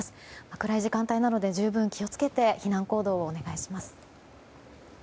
暗い時間帯なので十分気を付けて避難行動をお願いします。